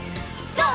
ＧＯ！